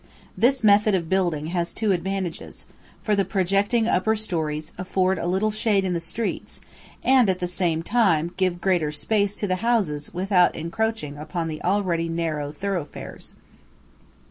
This method of building has two advantages, for the projecting upper storeys afford a little shade in the streets, and at the same time give greater space to the houses without encroaching upon the already narrow thoroughfares.